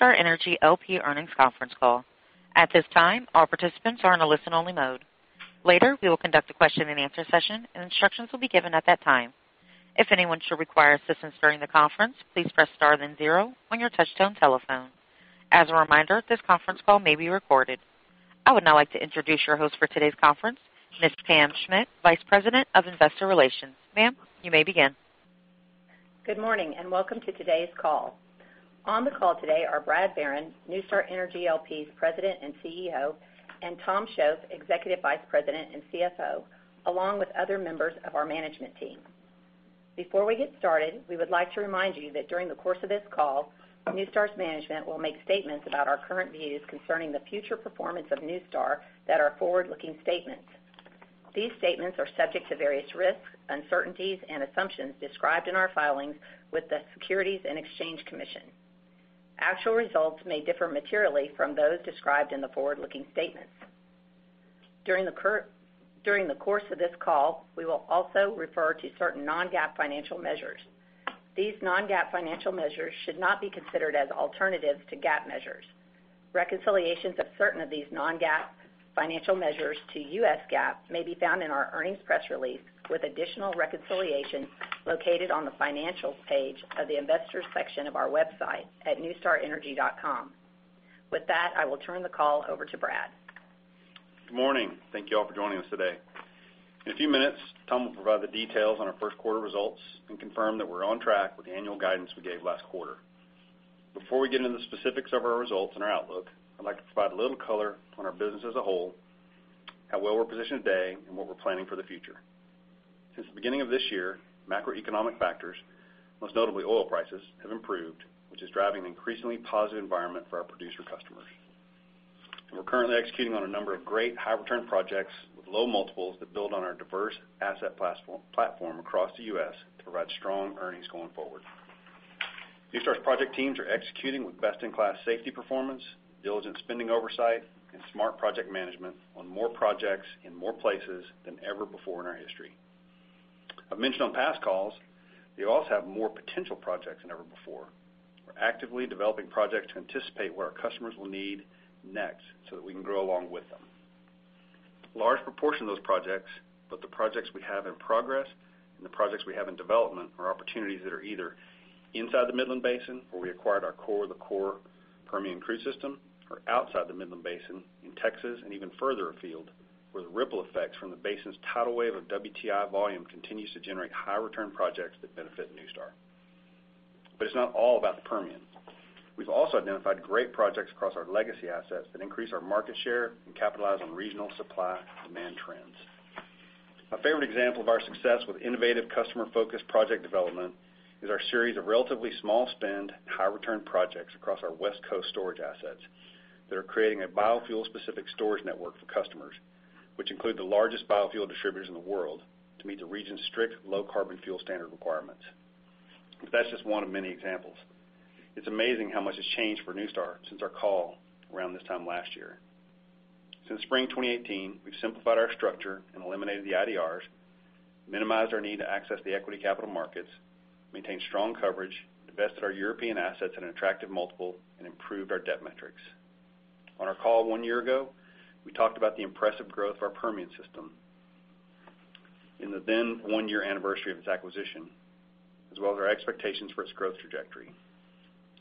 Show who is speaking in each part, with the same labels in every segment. Speaker 1: NuStar Energy L.P. earnings conference call. At this time, all participants are in a listen-only mode. Later, we will conduct a question-and-answer session, and instructions will be given at that time. If anyone should require assistance during the conference, please press star then 0 on your touchtone telephone. As a reminder, this conference call may be recorded. I would now like to introduce your host for today's conference, Ms. Pam Schmidt, Vice President of Investor Relations. Ma'am, you may begin.
Speaker 2: Good morning. Welcome to today's call. On the call today are Brad Barron, NuStar Energy L.P.'s President and CEO, and Tom Shoaf, Executive Vice President and CFO, along with other members of our management team. Before we get started, we would like to remind you that during the course of this call, NuStar's management will make statements about our current views concerning the future performance of NuStar that are forward-looking statements. These statements are subject to various risks, uncertainties, and assumptions described in our filings with the Securities and Exchange Commission. Actual results may differ materially from those described in the forward-looking statements. During the course of this call, we will also refer to certain non-GAAP financial measures. These non-GAAP financial measures should not be considered as alternatives to GAAP measures. Reconciliations of certain of these non-GAAP financial measures to U.S. GAAP may be found in our earnings press release, with additional reconciliation located on the Financial page of the Investors section of our website at nustarenergy.com. With that, I will turn the call over to Brad.
Speaker 3: Good morning. Thank you all for joining us today. In a few minutes, Tom will provide the details on our first quarter results and confirm that we're on track with the annual guidance we gave last quarter. Before we get into the specifics of our results and our outlook, I'd like to provide a little color on our business as a whole, how well we're positioned today, and what we're planning for the future. Since the beginning of this year, macroeconomic factors, most notably oil prices, have improved, which is driving an increasingly positive environment for our producer customers. We're currently executing on a number of great high-return projects with low multiples that build on our diverse asset platform across the U.S. to provide strong earnings going forward. NuStar's project teams are executing with best-in-class safety performance, diligent spending oversight, and smart project management on more projects in more places than ever before in our history. I've mentioned on past calls, we also have more potential projects than ever before. We're actively developing projects to anticipate what our customers will need next so that we can grow along with them. Large proportion of those projects, both the projects we have in progress and the projects we have in development are opportunities that are either inside the Midland Basin, where we acquired our core of the core Permian crude system or outside the Midland Basin in Texas and even further afield, where the ripple effects from the basin's tidal wave of WTI volume continues to generate high-return projects that benefit NuStar. It's not all about the Permian. We've also identified great projects across our legacy assets that increase our market share and capitalize on regional supply-demand trends. A favorite example of our success with innovative customer-focused project development is our series of relatively small spend and high-return projects across our West Coast storage assets that are creating a biofuel-specific storage network for customers, which include the largest biofuel distributors in the world to meet the region's strict low carbon fuel standard requirements. That's just one of many examples. It's amazing how much has changed for NuStar since our call around this time last year. Since spring 2018, we've simplified our structure and eliminated the IDRs, minimized our need to access the equity capital markets, maintained strong coverage, divested our European assets at an attractive multiple, and improved our debt metrics. On our call one year ago, we talked about the impressive growth of our Permian system in the then one-year anniversary of its acquisition, as well as our expectations for its growth trajectory.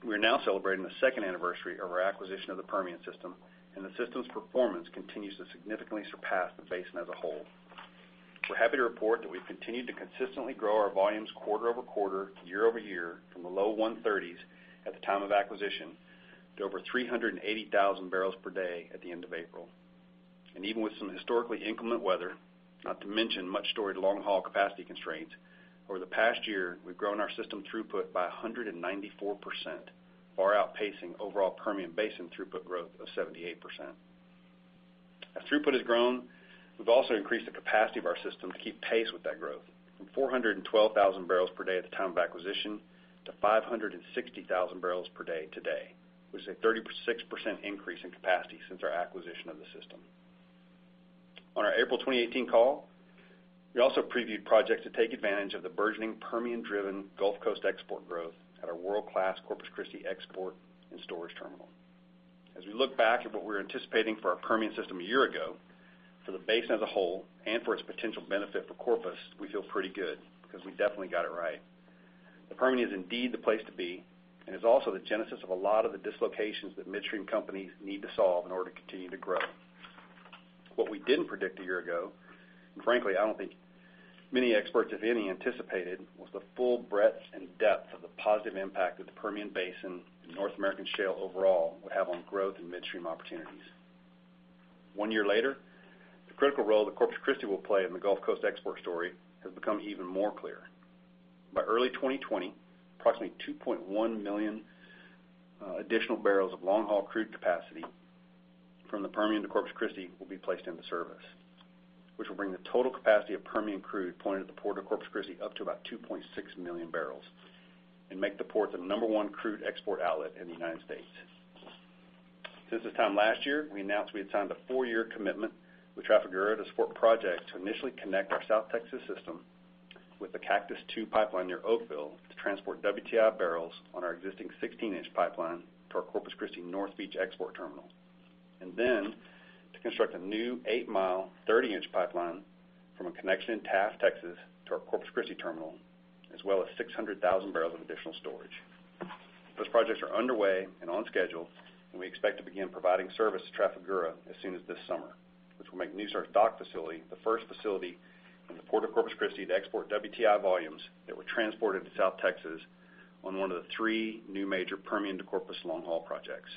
Speaker 3: We are now celebrating the second anniversary of our acquisition of the Permian system, and the system's performance continues to significantly surpass the basin as a whole. We're happy to report that we've continued to consistently grow our volumes quarter-over-quarter, year-over-year from the low 130s at the time of acquisition to over 380,000 barrels per day at the end of April. Even with some historically inclement weather, not to mention much-storied long-haul capacity constraints, over the past year, we've grown our system throughput by 194%, far outpacing overall Permian Basin throughput growth of 78%. As throughput has grown, we've also increased the capacity of our system to keep pace with that growth, from 412,000 barrels per day at the time of acquisition to 560,000 barrels per day today, which is a 36% increase in capacity since our acquisition of the system. On our April 2018 call, we also previewed projects to take advantage of the burgeoning Permian-driven Gulf Coast export growth at our world-class Corpus Christi export and storage terminal. As we look back at what we were anticipating for our Permian system a year ago, for the basin as a whole and for its potential benefit for Corpus, we feel pretty good because we definitely got it right. The Permian is indeed the place to be and is also the genesis of a lot of the dislocations that midstream companies need to solve in order to continue to grow. What we didn't predict a year ago, and frankly, I don't think many experts, if any, anticipated, was the full breadth and depth of the positive impact of the Permian Basin and North American shale overall would have on growth and midstream opportunities. One year later, the critical role that Corpus Christi will play in the Gulf Coast export story has become even more clear. By early 2020, approximately 2.1 million additional barrels of long-haul crude capacity from the Permian to Corpus Christi will be placed into service, which will bring the total capacity of Permian crude pointed at the Port of Corpus Christi up to about 2.6 million barrels and make the port the number one crude export outlet in the United States. Since this time last year, we announced we had signed a four-year commitment with Trafigura to support projects to initially connect our South Texas system with the Cactus II Pipeline near Oakville to transport WTI barrels on our existing 16-inch pipeline to our Corpus Christi North Beach export terminal. Then to construct a new 8-mile, 30-inch pipeline from a connection in Taft, Texas, to our Corpus Christi terminal, as well as 600,000 barrels of additional storage. Those projects are underway and on schedule. We expect to begin providing service to Trafigura as soon as this summer, which will make NuStar's dock facility the first facility in the Port of Corpus Christi to export WTI volumes that were transported to South Texas on one of the three new major Permian to Corpus long-haul projects.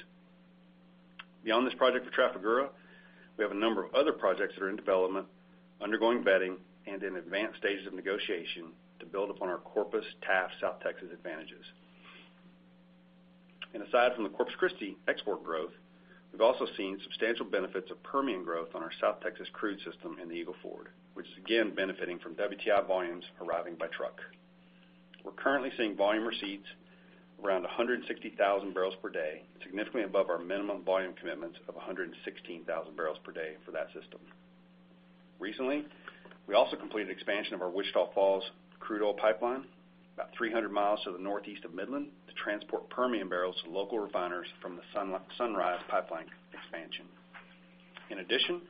Speaker 3: Beyond this project for Trafigura, we have a number of other projects that are in development, undergoing vetting, and in advanced stages of negotiation to build upon our Corpus-Taft, South Texas advantages. Aside from the Corpus Christi export growth, we've also seen substantial benefits of Permian growth on our South Texas crude system in the Eagle Ford, which is again benefiting from WTI volumes arriving by truck. We're currently seeing volume receipts around 160,000 barrels per day, significantly above our minimum volume commitments of 116,000 barrels per day for that system. Recently, we also completed expansion of our Wichita Falls crude oil pipeline, about 300 miles to the northeast of Midland, to transport Permian barrels to local refiners from the Sunrise Pipeline expansion. In addition,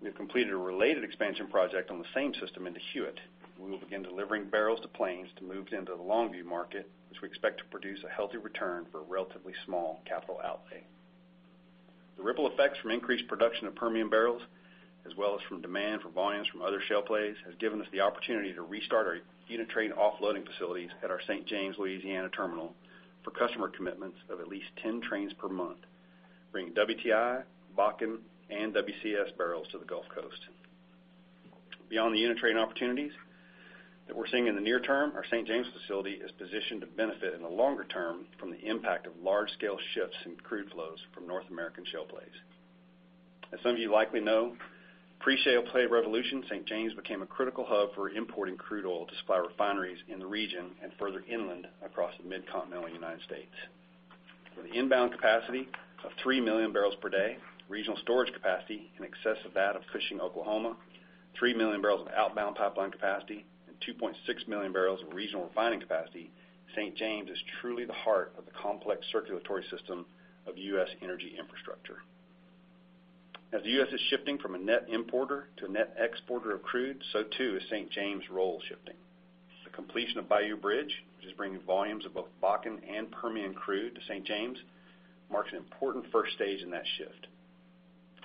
Speaker 3: we have completed a related expansion project on the same system into Hewitt. We will begin delivering barrels to Plains to move into the Longview market, which we expect to produce a healthy return for a relatively small capital outlay. The ripple effects from increased production of Permian barrels, as well as from demand for volumes from other shale plays, has given us the opportunity to restart our unit train offloading facilities at our St. James, Louisiana terminal for customer commitments of at least 10 trains per month, bringing WTI, Bakken, and WCS barrels to the Gulf Coast. Beyond the unit train opportunities that we're seeing in the near term, our St. James facility is positioned to benefit in the longer term from the impact of large-scale shifts in crude flows from North American shale plays. As some of you likely know, pre-shale play revolution, St. James became a critical hub for importing crude oil to supply refineries in the region and further inland across the mid-continental U.S. With an inbound capacity of 3 million barrels per day, regional storage capacity in excess of that of Cushing, Oklahoma, 3 million barrels of outbound pipeline capacity, and 2.6 million barrels of regional refining capacity, St. James is truly the heart of the complex circulatory system of U.S. energy infrastructure. As the U.S. is shifting from a net importer to a net exporter of crude, too is St. James' role shifting. The completion of Bayou Bridge, which is bringing volumes of both Bakken and Permian crude to St. James, marks an important stage 1 in that shift.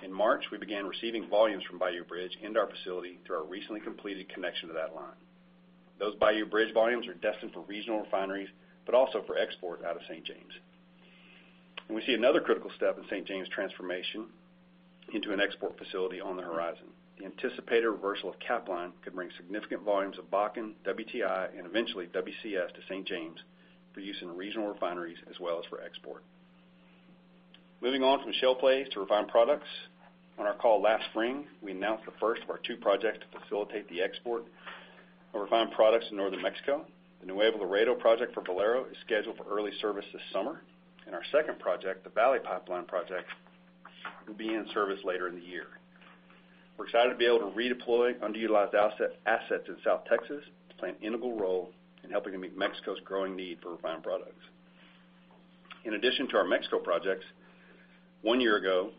Speaker 3: In March, we began receiving volumes from Bayou Bridge into our facility through our recently completed connection to that line. Those Bayou Bridge volumes are destined for regional refineries, but also for export out of St. James. We see another critical step in St. James' transformation into an export facility on the horizon. The anticipated reversal of Capline could bring significant volumes of Bakken, WTI, and eventually WCS to St. James for use in regional refineries as well as for export. Moving on from shale plays to refined products. On our call last spring, we announced the first of our two projects to facilitate the export of refined products to Northern Mexico. The Nuevo Laredo project for Valero is scheduled for early service this summer. Our second project, the Valley Pipeline project, will be in service later in the year. We're excited to be able to redeploy underutilized assets in South Texas to play an integral role in helping to meet Mexico's growing need for refined products. In addition to our Mexico projects, one year ago,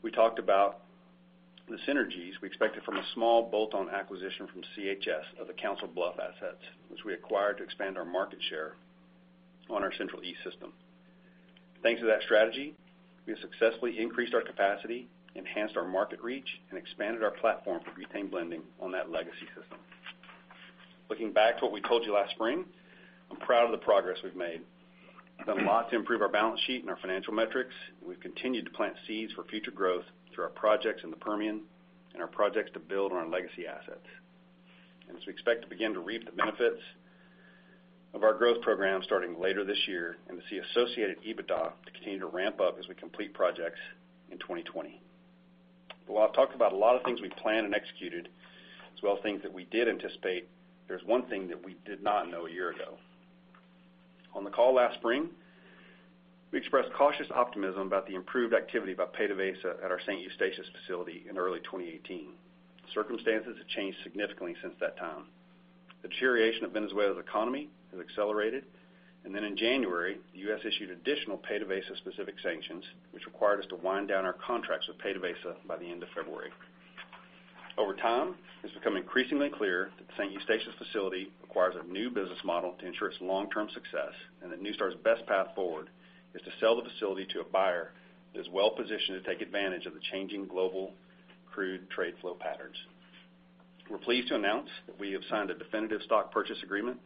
Speaker 3: we talked about the synergies we expected from a small bolt-on acquisition from CHS of the Council Bluffs assets, which we acquired to expand our market share on our Central East system. Thanks to that strategy, we have successfully increased our capacity, enhanced our market reach, and expanded our platform for butane blending on that legacy system. Looking back to what we told you last spring, I'm proud of the progress we've made. We've done a lot to improve our balance sheet and our financial metrics, and we've continued to plant seeds for future growth through our projects in the Permian and our projects to build on our legacy assets. As we expect to begin to reap the benefits of our growth program starting later this year and to see associated EBITDA to continue to ramp up as we complete projects in 2020. While I've talked about a lot of things we've planned and executed, as well as things that we did anticipate, there's one thing that we did not know a year ago. On the call last spring, we expressed cautious optimism about the improved activity by PDVSA at our St. Eustatius facility in early 2018. Circumstances have changed significantly since that time. The deterioration of Venezuela's economy has accelerated. In January, the U.S. issued additional PDVSA-specific sanctions, which required us to wind down our contracts with PDVSA by the end of February. Over time, it's become increasingly clear that the St. Eustatius facility requires a new business model to ensure its long-term success, and that NuStar's best path forward is to sell the facility to a buyer that is well-positioned to take advantage of the changing global crude trade flow patterns. We're pleased to announce that we have signed a definitive stock purchase agreement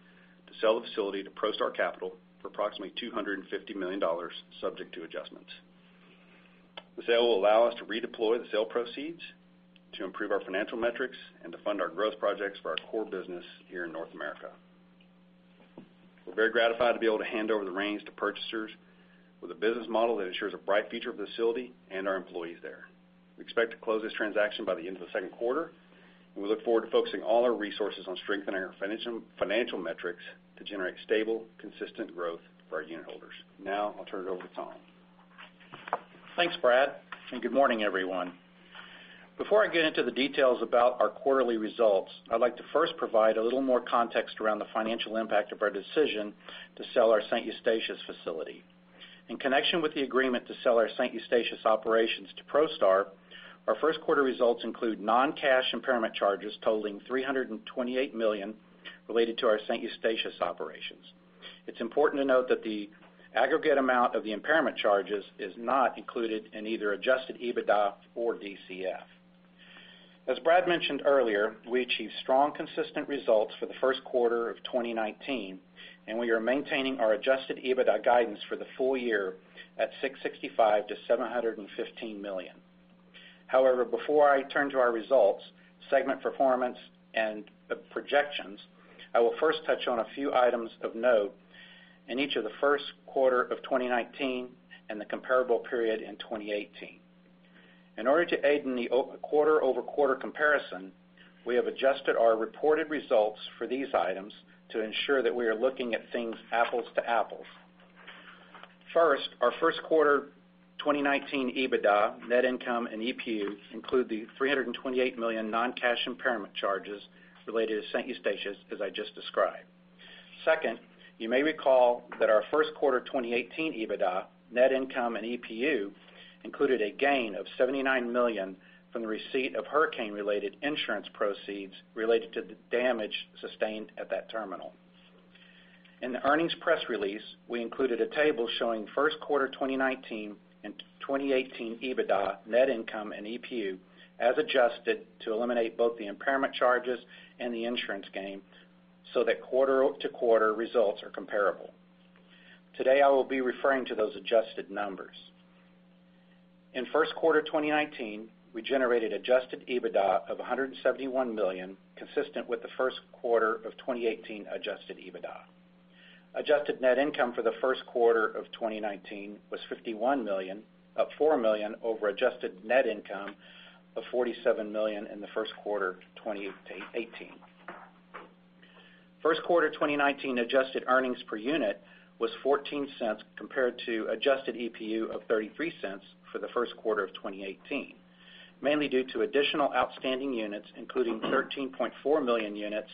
Speaker 3: to sell the facility to ProStar Capital for approximately $250 million, subject to adjustments. The sale will allow us to redeploy the sale proceeds to improve our financial metrics and to fund our growth projects for our core business here in North America. We're very gratified to be able to hand over the reins to purchasers with a business model that ensures a bright future for the facility and our employees there. We expect to close this transaction by the end of the second quarter. We look forward to focusing all our resources on strengthening our financial metrics to generate stable, consistent growth for our unitholders. Now, I'll turn it over to Tom.
Speaker 4: Thanks, Brad, and good morning, everyone. Before I get into the details about our quarterly results, I'd like to first provide a little more context around the financial impact of our decision to sell our St. Eustatius facility. In connection with the agreement to sell our St. Eustatius operations to ProStar, our first quarter results include non-cash impairment charges totaling $328 million related to our St. Eustatius operations. It's important to note that the aggregate amount of the impairment charges is not included in either adjusted EBITDA or DCF. As Brad mentioned earlier, we achieved strong, consistent results for the first quarter of 2019, and we are maintaining our adjusted EBITDA guidance for the full year at $665 million-$715 million. Before I turn to our results, segment performance, and the projections, I will first touch on a few items of note in each of the first quarter of 2019 and the comparable period in 2018. In order to aid in the quarter-over-quarter comparison, we have adjusted our reported results for these items to ensure that we are looking at things apples to apples. First, our first quarter 2019 EBITDA, net income and EPU include the $328 million non-cash impairment charges related to St. Eustatius, as I just described. Second, you may recall that our first quarter 2018 EBITDA, net income and EPU included a gain of $79 million from the receipt of hurricane-related insurance proceeds related to the damage sustained at that terminal. In the earnings press release, we included a table showing first quarter 2019 and 2018 EBITDA, net income, and EPU as adjusted to eliminate both the impairment charges and the insurance gain so that quarter-to-quarter results are comparable. Today, I will be referring to those adjusted numbers. In first quarter 2019, we generated adjusted EBITDA of $171 million, consistent with the first quarter of 2018 adjusted EBITDA. Adjusted net income for the first quarter of 2019 was $51 million, up $4 million over adjusted net income of $47 million in the first quarter 2018. First quarter 2019 adjusted earnings per unit was $0.14 compared to adjusted EPU of $0.33 for the first quarter of 2018, mainly due to additional outstanding units, including 13.4 million units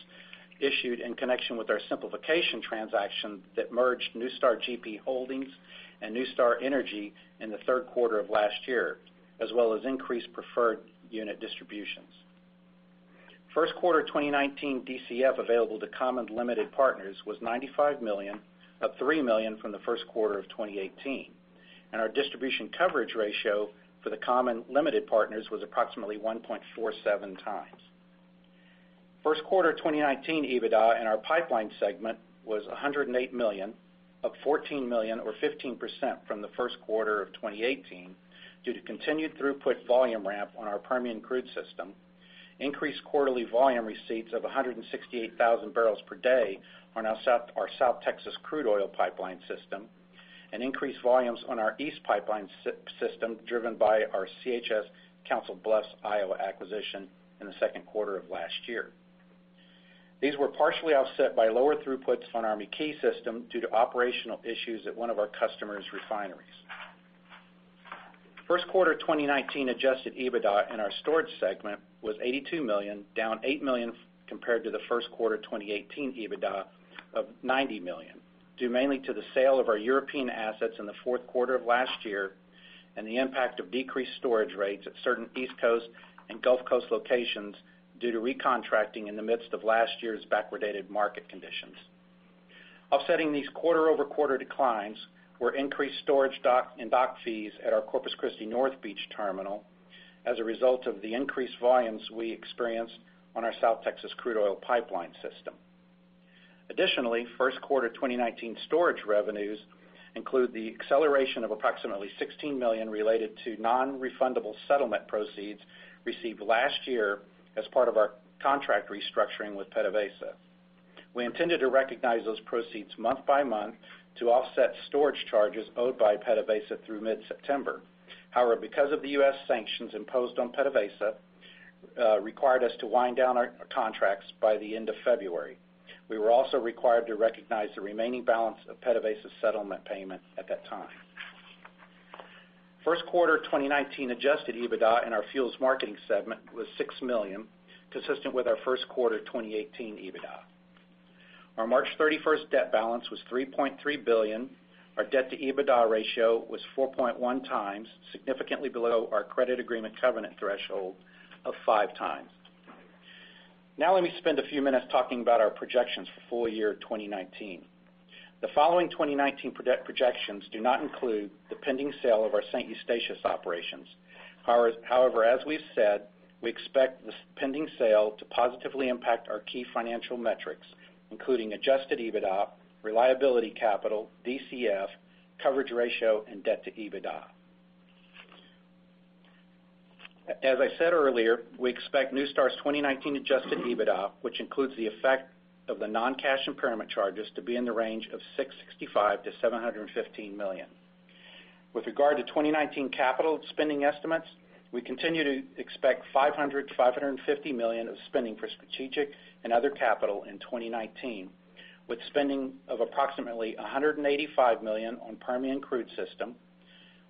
Speaker 4: issued in connection with our simplification transaction that merged NuStar GP Holdings and NuStar Energy in the third quarter of last year, as well as increased preferred unit distributions. First quarter 2019 DCF available to common limited partners was $95 million, up $3 million from the first quarter of 2018. Our distribution coverage ratio for the common limited partners was approximately 1.47 times. First quarter 2019 EBITDA in our pipeline segment was $108 million, up $14 million or 15% from the first quarter of 2018 due to continued throughput volume ramp on our Permian crude system, increased quarterly volume receipts of 168,000 barrels per day on our South Texas crude oil pipeline system, and increased volumes on our east pipeline system driven by our CHS Council Bluffs, Iowa acquisition in the second quarter of last year. These were partially offset by lower throughputs on our McKee system due to operational issues at one of our customer's refineries. First quarter 2019 adjusted EBITDA in our storage segment was $82 million, down $8 million compared to the first quarter 2018 EBITDA of $90 million, due mainly to the sale of our European assets in the fourth quarter of last year and the impact of decreased storage rates at certain East Coast and Gulf Coast locations due to recontracting in the midst of last year's backwardated market conditions. Offsetting these quarter-over-quarter declines were increased storage dock and dock fees at our Corpus Christi North Beach terminal as a result of the increased volumes we experienced on our South Texas crude oil pipeline system. Additionally, first quarter 2019 storage revenues include the acceleration of approximately $16 million related to non-refundable settlement proceeds received last year as part of our contract restructuring with PDVSA. We intended to recognize those proceeds month by month to offset storage charges owed by PDVSA through mid-September. However, because of the U.S. sanctions imposed on PDVSA required us to wind down our contracts by the end of February. We were also required to recognize the remaining balance of PDVSA's settlement payment at that time. First quarter 2019 adjusted EBITDA in our fuels marketing segment was $6 million, consistent with our first quarter 2018 EBITDA. Our March 31st debt balance was $3.3 billion. Our debt-to-EBITDA ratio was 4.1 times, significantly below our credit agreement covenant threshold of five times. Now let me spend a few minutes talking about our projections for full year 2019. The following 2019 projections do not include the pending sale of our St. Eustatius operations. However, as we've said, we expect this pending sale to positively impact our key financial metrics, including adjusted EBITDA, reliability capital, DCF, coverage ratio, and debt to EBITDA. As I said earlier, we expect NuStar's 2019 adjusted EBITDA, which includes the effect of the non-cash impairment charges to be in the range of $665 million-$715 million. With regard to 2019 capital spending estimates, we continue to expect $500 million-$550 million of spending for strategic and other capital in 2019, with spending of approximately $185 million on Permian Crude System,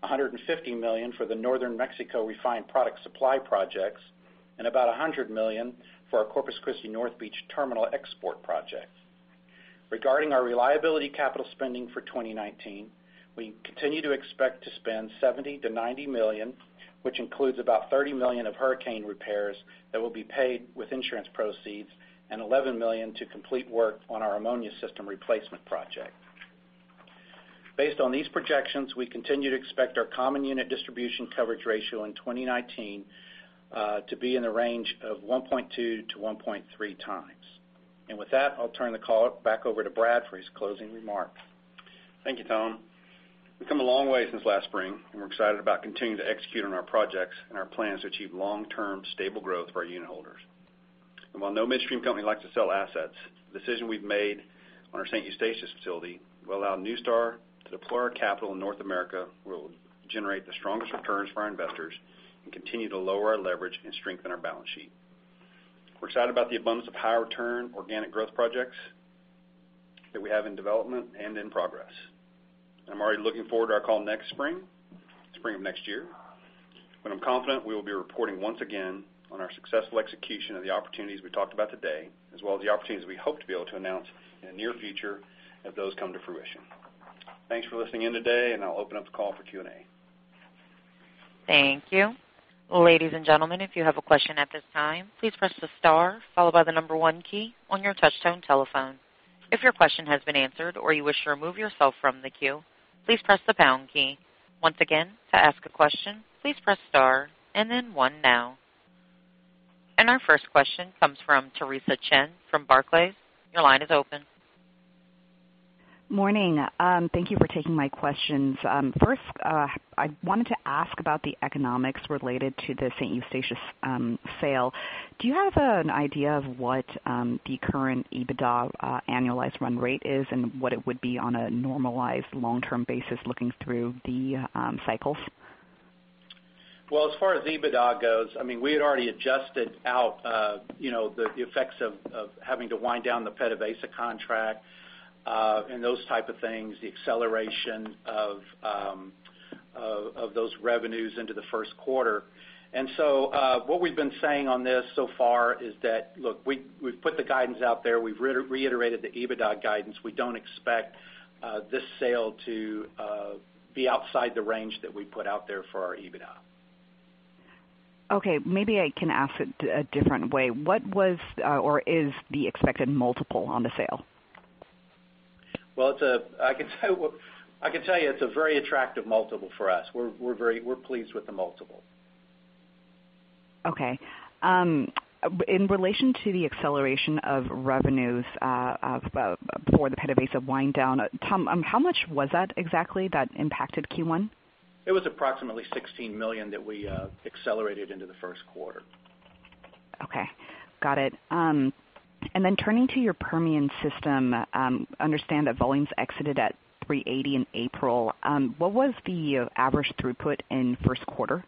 Speaker 4: $150 million for the Northern Mexico refined product supply projects, and about $100 million for our Corpus Christi North Beach terminal export project. Regarding our reliability capital spending for 2019, we continue to expect to spend $70 million-$90 million, which includes about $30 million of hurricane repairs that will be paid with insurance proceeds and $11 million to complete work on our ammonia system replacement project. Based on these projections, we continue to expect our common unit distribution coverage ratio in 2019 to be in the range of 1.2 times-1.3 times. With that, I'll turn the call back over to Brad for his closing remarks.
Speaker 3: Thank you, Tom. We've come a long way since last spring, we're excited about continuing to execute on our projects and our plans to achieve long-term stable growth for our unitholders. While no midstream company likes to sell assets, the decision we've made on our St. Eustatius facility will allow NuStar to deploy our capital in North America, where it will generate the strongest returns for our investors and continue to lower our leverage and strengthen our balance sheet. We're excited about the abundance of high-return organic growth projects that we have in development and in progress. I'm already looking forward to our call next spring of next year, when I'm confident we will be reporting once again on our successful execution of the opportunities we talked about today, as well as the opportunities we hope to be able to announce in the near future if those come to fruition. Thanks for listening in today. I'll open up the call for Q&A.
Speaker 1: Thank you. Ladies and gentlemen, if you have a question at this time, please press the star followed by the number one key on your touchtone telephone. If your question has been answered or you wish to remove yourself from the queue, please press the pound key. Once again, to ask a question, please press star and then one now. Our first question comes from Theresa Chen from Barclays. Your line is open.
Speaker 5: Morning. Thank you for taking my questions. First, I wanted to ask about the economics related to the St. Eustatius sale. Do you have an idea of what the current EBITDA annualized run rate is and what it would be on a normalized long-term basis looking through the cycles?
Speaker 4: Well, as far as EBITDA goes, we had already adjusted out the effects of having to wind down the PDVSA contract, and those type of things, the acceleration of those revenues into the first quarter. What we've been saying on this so far is that, look, we've put the guidance out there. We've reiterated the EBITDA guidance. We don't expect this sale to be outside the range that we put out there for our EBITDA.
Speaker 5: Okay, maybe I can ask it a different way. What was or is the expected multiple on the sale?
Speaker 4: Well, I can tell you it's a very attractive multiple for us. We're pleased with the multiple.
Speaker 5: Okay. In relation to the acceleration of revenues for the PDVSA wind down, Tom, how much was that exactly that impacted Q1?
Speaker 4: It was approximately $16 million that we accelerated into the first quarter.
Speaker 5: Okay. Got it. Turning to your Permian system, I understand that volumes exited at 380 in April. What was the average throughput in first quarter?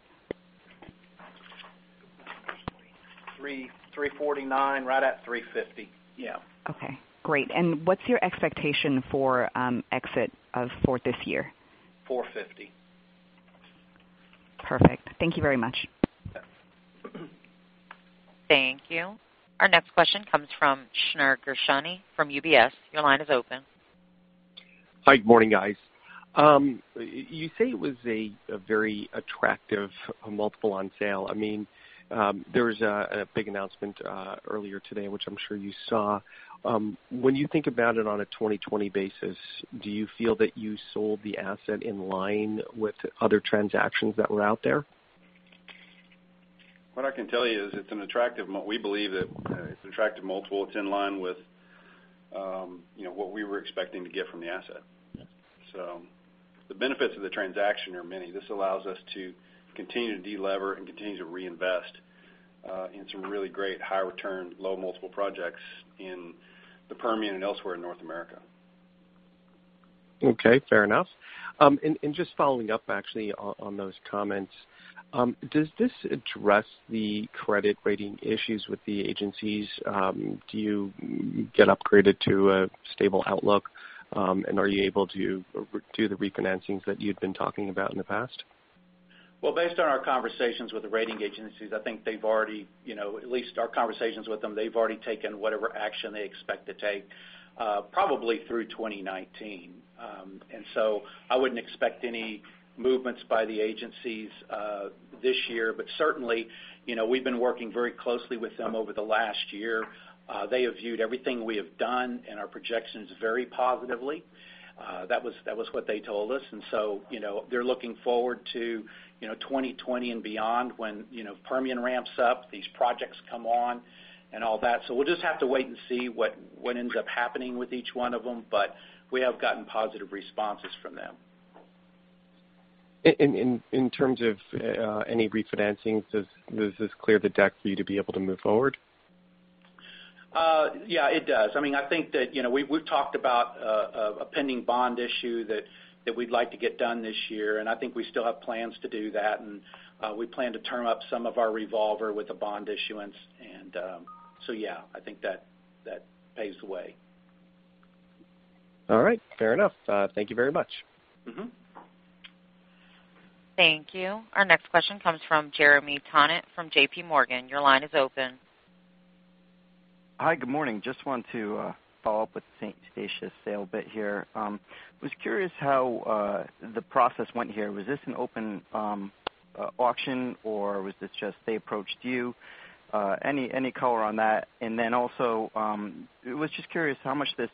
Speaker 4: 349, right at 350. Yeah.
Speaker 5: Okay, great. What's your expectation for exit for this year?
Speaker 4: 450.
Speaker 5: Perfect. Thank you very much.
Speaker 1: Thank you. Our next question comes from Shneur Gershuni from UBS. Your line is open.
Speaker 6: Hi, good morning, guys. You say it was a very attractive multiple on sale. There was a big announcement earlier today, which I'm sure you saw. When you think about it on a 2020 basis, do you feel that you sold the asset in line with other transactions that were out there?
Speaker 3: What I can tell you is we believe that it's an attractive multiple. It's in line with what we were expecting to get from the asset.
Speaker 6: Yes.
Speaker 3: The benefits of the transaction are many. This allows us to continue to de-lever and continue to reinvest in some really great high-return, low-multiple projects in the Permian and elsewhere in North America.
Speaker 6: Okay, fair enough. Just following up, actually, on those comments. Does this address the credit rating issues with the agencies? Do you get upgraded to a stable outlook? Are you able to do the refinancings that you'd been talking about in the past?
Speaker 4: Well, based on our conversations with the rating agencies, I think they've already, at least our conversations with them, they've already taken whatever action they expect to take, probably through 2019. I wouldn't expect any movements by the agencies this year. Certainly, we've been working very closely with them over the last year. They have viewed everything we have done and our projections very positively. That was what they told us, they're looking forward to 2020 and beyond when Permian ramps up, these projects come on, and all that. We'll just have to wait and see what ends up happening with each one of them. We have gotten positive responses from them.
Speaker 6: In terms of any refinancings, does this clear the deck for you to be able to move forward?
Speaker 4: Yeah, it does. I think that we've talked about a pending bond issue that we'd like to get done this year, I think we still have plans to do that. We plan to term up some of our revolver with the bond issuance. Yeah, I think that paves the way.
Speaker 6: All right. Fair enough. Thank you very much.
Speaker 1: Thank you. Our next question comes from Jeremy Tonet from J.P. Morgan. Your line is open.
Speaker 7: Hi, good morning. Just wanted to follow up with the St. Eustatius sale bit here. Was curious how the process went here. Was this an open auction, or was this just they approached you? Any color on that? Also, was just curious how much this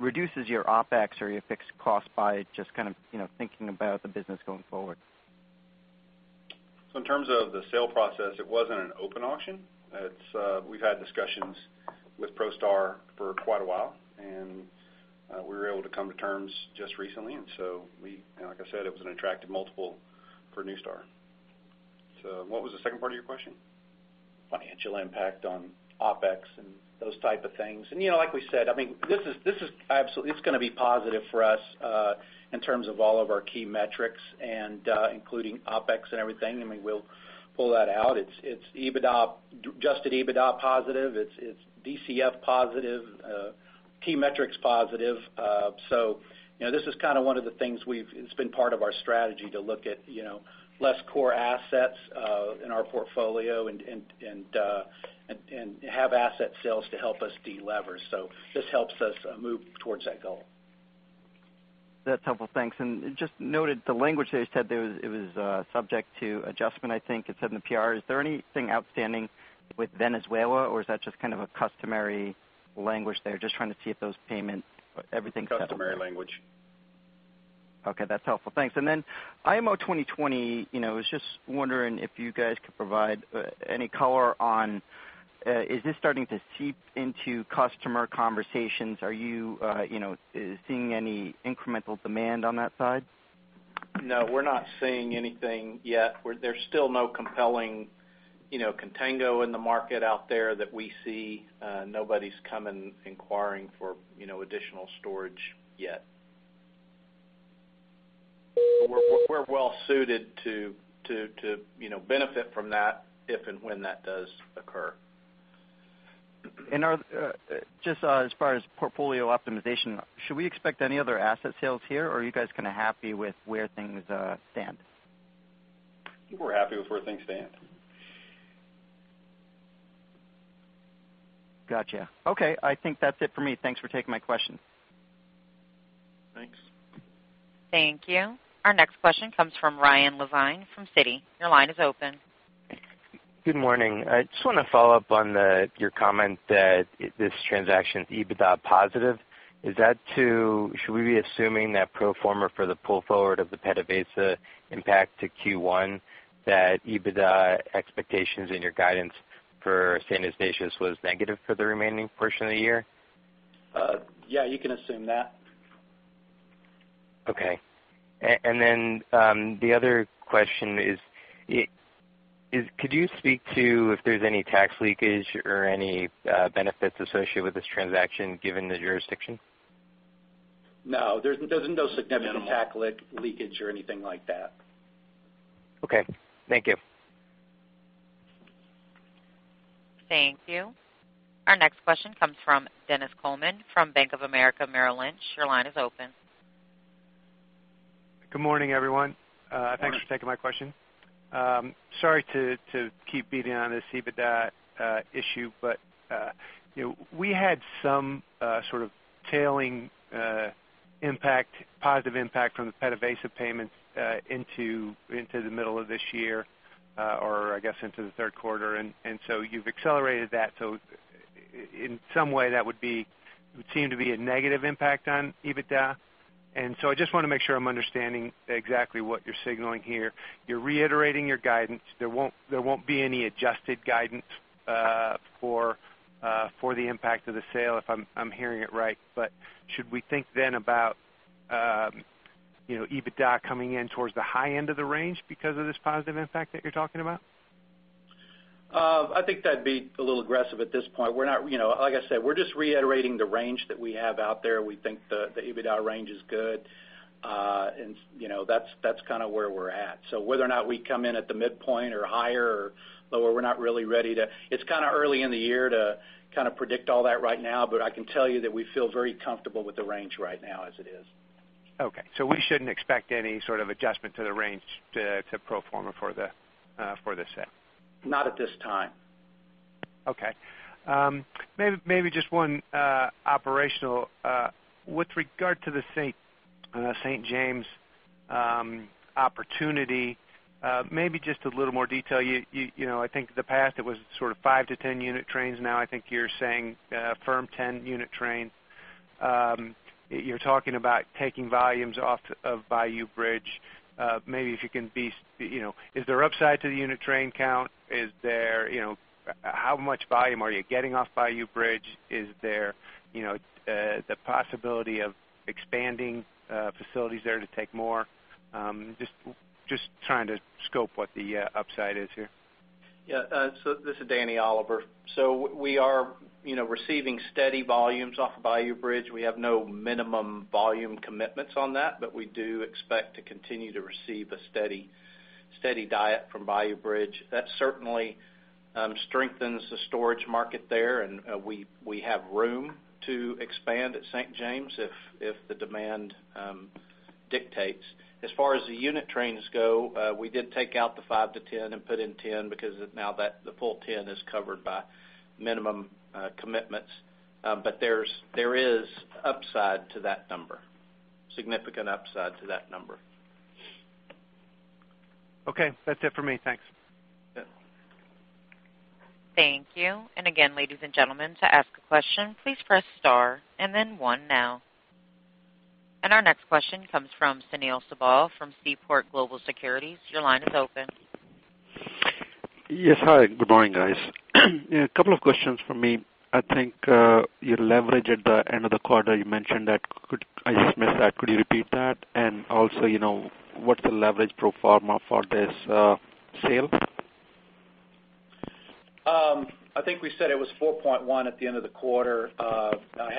Speaker 7: reduces your OpEx or your fixed cost by just kind of thinking about the business going forward.
Speaker 3: In terms of the sale process, it wasn't an open auction. We've had discussions with ProStar for quite a while, we were able to come to terms just recently. Like I said, it was an attractive multiple for NuStar. What was the second part of your question?
Speaker 4: Financial impact on OpEx and those type of things. Like we said, this is absolutely going to be positive for us in terms of all of our key metrics and including OpEx and everything. We'll pull that out. It's adjusted EBITDA positive. It's DCF positive, key metrics positive. This is kind of one of the things, it's been part of our strategy to look at less core assets in our portfolio and have asset sales to help us delever. This helps us move towards that goal.
Speaker 7: That's helpful. Thanks. Just noted the language that you said there, it was subject to adjustment, I think it said in the PR. Is there anything outstanding with Venezuela, or is that just kind of a customary language there? Just trying to see if those payments, everything's settled.
Speaker 3: Customary language.
Speaker 7: Okay, that's helpful. Thanks. Then IMO 2020, I was just wondering if you guys could provide any color on, is this starting to seep into customer conversations? Are you seeing any incremental demand on that side?
Speaker 4: No, we're not seeing anything yet. There's still no compelling contango in the market out there that we see. Nobody's come and inquiring for additional storage yet. We're well suited to benefit from that if and when that does occur.
Speaker 7: Just as far as portfolio optimization, should we expect any other asset sales here, or are you guys kind of happy with where things stand?
Speaker 3: I think we're happy with where things stand.
Speaker 7: Gotcha. Okay, I think that's it for me. Thanks for taking my question.
Speaker 3: Thanks.
Speaker 1: Thank you. Our next question comes from Ryan Levine from Citi. Your line is open.
Speaker 8: Good morning. I just want to follow up on your comment that this transaction is EBITDA positive. Should we be assuming that pro forma for the pull forward of the PDVSA impact to Q1, that EBITDA expectations in your guidance for St. Eustatius was negative for the remaining portion of the year?
Speaker 4: Yeah, you can assume that.
Speaker 8: Okay. The other question is, could you speak to if there's any tax leakage or any benefits associated with this transaction given the jurisdiction?
Speaker 4: No. There's no significant tax leakage or anything like that.
Speaker 8: Okay. Thank you.
Speaker 1: Thank you. Our next question comes from Dennis Coleman from Bank of America Merrill Lynch. Your line is open.
Speaker 9: Good morning, everyone.
Speaker 4: Good morning.
Speaker 9: Thanks for taking my question. Sorry to keep beating on this EBITDA issue, we had some sort of tailing impact, positive impact from the PDVSA payments into the middle of this year or I guess into the third quarter. You've accelerated that. In some way, that would seem to be a negative impact on EBITDA. I just want to make sure I'm understanding exactly what you're signaling here. You're reiterating your guidance. There won't be any adjusted guidance for the impact of the sale, if I'm hearing it right. Should we think then about EBITDA coming in towards the high end of the range because of this positive impact that you're talking about?
Speaker 4: I think that'd be a little aggressive at this point. Like I said, we're just reiterating the range that we have out there. We think the EBITDA range is good. That's kind of where we're at. Whether or not we come in at the midpoint or higher or lower, we're not really ready, it's kind of early in the year to kind of predict all that right now. I can tell you that we feel very comfortable with the range right now as it is.
Speaker 9: Okay. We shouldn't expect any sort of adjustment to the range to pro forma for the sale.
Speaker 4: Not at this time.
Speaker 9: Okay. Maybe just one operational. With regard to the St. James opportunity, maybe just a little more detail. I think in the past it was sort of 5-10 unit trains. Now I think you're saying a firm 10 unit train. You're talking about taking volumes off of Bayou Bridge. Is there upside to the unit train count? How much volume are you getting off Bayou Bridge? Is there the possibility of expanding facilities there to take more? Just trying to scope what the upside is here.
Speaker 10: Yeah. This is Danny Oliver. We are receiving steady volumes off Bayou Bridge. We have no minimum volume commitments on that, we do expect to continue to receive a steady diet from Bayou Bridge. That certainly strengthens the storage market there. We have room to expand at St. James if the demand dictates. As far as the unit trains go, we did take out the 5-10 and put in 10, because now the full 10 is covered by minimum commitments. There is upside to that number, significant upside to that number. Okay. That's it for me. Thanks. Yeah.
Speaker 1: Thank you. Again, ladies and gentlemen, to ask a question, please press star and then 1 now. Our next question comes from Sunil Sibal from Seaport Global Securities. Your line is open.
Speaker 11: Yes. Hi. Good morning, guys. A couple of questions from me. I think your leverage at the end of the quarter, you mentioned I just missed that. Could you repeat that? Also, what's the leverage pro forma for this sale?
Speaker 4: I think we said it was 4.1 at the end of the quarter. I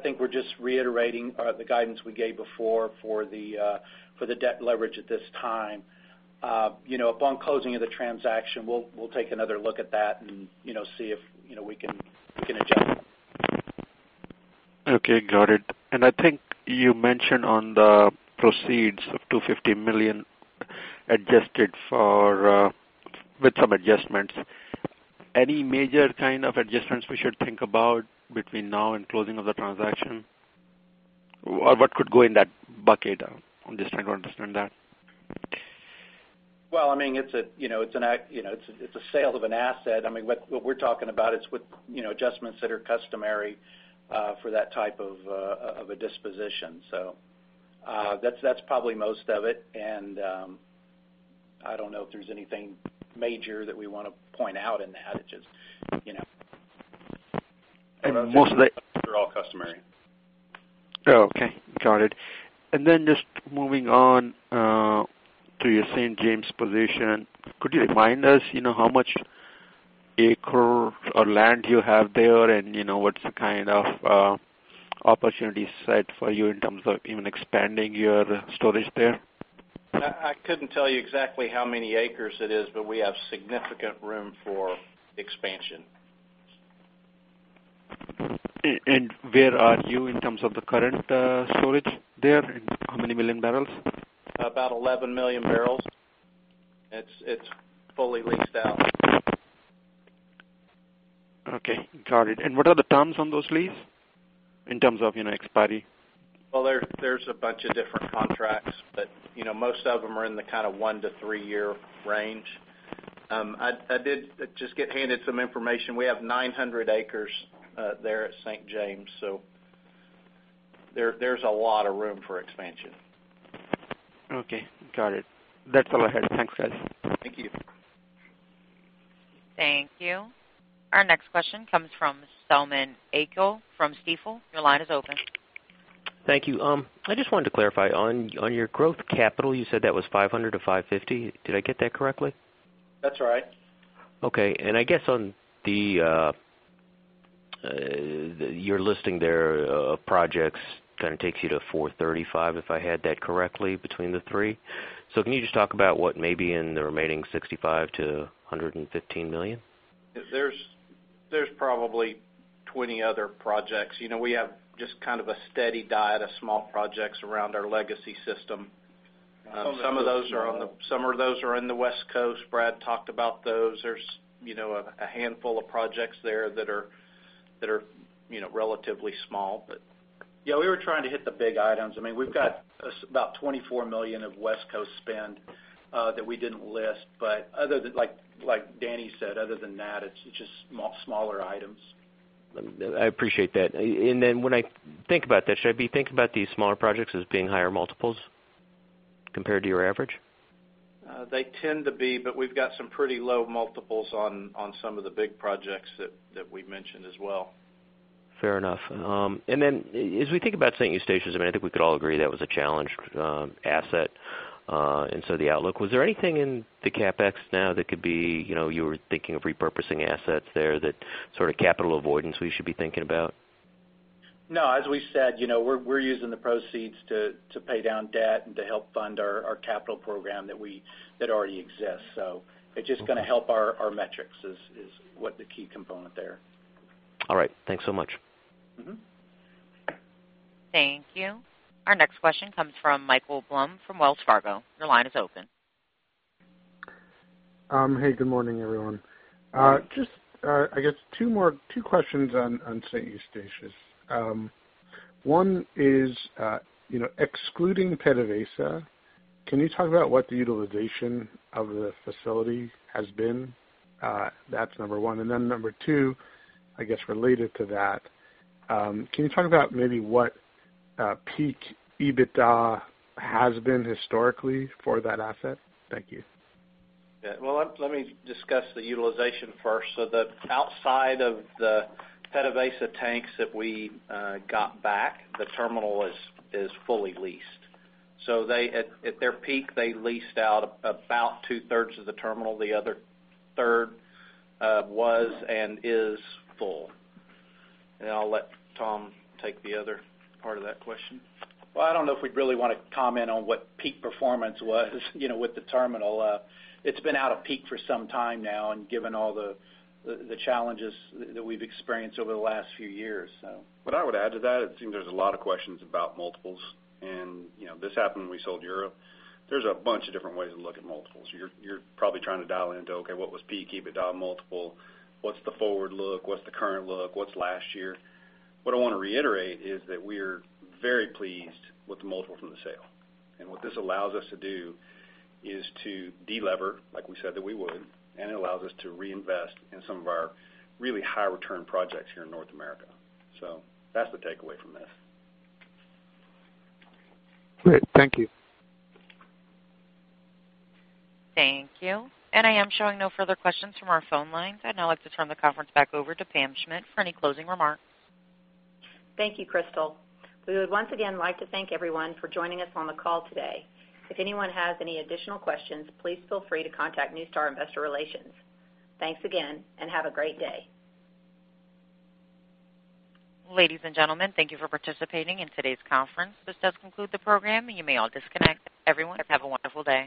Speaker 4: think we're just reiterating the guidance we gave before for the debt leverage at this time. Upon closing of the transaction, we'll take another look at that and see if we can adjust.
Speaker 11: Okay, got it. I think you mentioned on the proceeds of $250 million, with some adjustments. Any major kind of adjustments we should think about between now and closing of the transaction? What could go in that bucket? I'm just trying to understand that.
Speaker 4: Well, it's a sale of an asset. What we're talking about is with adjustments that are customary for that type of a disposition. That's probably most of it, I don't know if there's anything major that we want to point out in that.
Speaker 11: And mostly-
Speaker 4: They're all customary.
Speaker 11: Oh, okay. Got it. Just moving on to your St. James position. Could you remind us how much acre or land you have there and what's the kind of opportunity set for you in terms of even expanding your storage there?
Speaker 4: I couldn't tell you exactly how many acres it is, we have significant room for expansion.
Speaker 11: Where are you in terms of the current storage there, and how many million barrels?
Speaker 4: About 11 million barrels. It's fully leased out.
Speaker 11: Okay, got it. What are the terms on those lease in terms of expiry?
Speaker 4: Well, there's a bunch of different contracts, but most of them are in the kind of one to three year range. I did just get handed some information. We have 900 acres there at St. James, there's a lot of room for expansion.
Speaker 11: Okay, got it. That's all I had. Thanks, guys.
Speaker 4: Thank you.
Speaker 1: Thank you. Our next question comes from Selman Akyol from Stifel. Your line is open.
Speaker 12: Thank you. I just wanted to clarify. On your growth capital, you said that was $500-$550. Did I get that correctly?
Speaker 4: That's right.
Speaker 12: Okay. I guess on your listing there of projects, kind of, takes you to 435, if I had that correctly between the three. Can you just talk about what may be in the remaining $65 million-$115 million?
Speaker 4: There's probably 20 other projects. We have just kind of a steady diet of small projects around our legacy system. Some of those are in the West Coast. Brad talked about those. There's a handful of projects there that are relatively small, but, yeah, we were trying to hit the big items. We've got about $24 million of West Coast spend that we didn't list, but like Danny said, other than that, it's just smaller items.
Speaker 12: I appreciate that. Then when I think about that, should I be thinking about these smaller projects as being higher multiples compared to your average?
Speaker 4: They tend to be. We've got some pretty low multiples on some of the big projects that we mentioned as well.
Speaker 12: Fair enough. As we think about St. Eustatius, I think we could all agree that was a challenged asset. The outlook. Was there anything in the CapEx now that you were thinking of repurposing assets there, that sort of capital avoidance we should be thinking about?
Speaker 4: No, as we said, we're using the proceeds to pay down debt and to help fund our capital program that already exists. It's just going to help our metrics, is what the key component there.
Speaker 12: All right. Thanks so much.
Speaker 1: Thank you. Our next question comes from Michael Blum from Wells Fargo. Your line is open.
Speaker 13: Hey, good morning, everyone. Just, I guess two questions on St. Eustatius. One is, excluding PDVSA, can you talk about what the utilization of the facility has been? That's number one. Then number two, I guess related to that, can you talk about maybe what peak EBITDA has been historically for that asset? Thank you.
Speaker 4: Well, let me discuss the utilization first. Outside of the PDVSA tanks that we got back, the terminal is fully leased. At their peak, they leased out about two-thirds of the terminal. The other third was and is full. I'll let Tom take the other part of that question. Well, I don't know if we'd really want to comment on what peak performance was with the terminal. It's been out of peak for some time now and given all the challenges that we've experienced over the last few years.
Speaker 3: What I would add to that, it seems there's a lot of questions about multiples, and this happened when we sold Europe. There's a bunch of different ways to look at multiples. You're probably trying to dial into, okay, what was peak EBITDA multiple? What's the forward look? What's the current look? What's last year? What I want to reiterate is that we're very pleased with the multiple from the sale. What this allows us to do is to de-lever, like we said that we would, it allows us to reinvest in some of our really high return projects here in North America. That's the takeaway from this.
Speaker 13: Great. Thank you.
Speaker 1: Thank you. I am showing no further questions from our phone lines. I'd now like to turn the conference back over to Pam Schmidt for any closing remarks.
Speaker 2: Thank you, Crystal. We would once again like to thank everyone for joining us on the call today. If anyone has any additional questions, please feel free to contact NuStar Investor Relations. Thanks again, and have a great day.
Speaker 1: Ladies and gentlemen, thank you for participating in today's conference. This does conclude the program. You may all disconnect. Everyone, have a wonderful day.